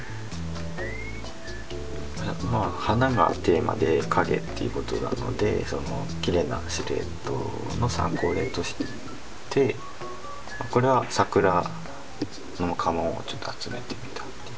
まあ花がテーマで影っていうことなのできれいなシルエットの参考例としてこれは桜の家紋をちょっと集めてみたっていう感じで。